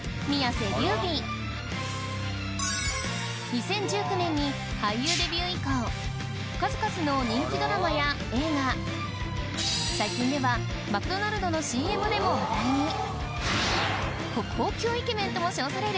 ２０１９年に俳優デビュー以降数々の人気ドラマや映画最近ではマクドナルドのＣＭでも話題に国宝級イケメンとも称される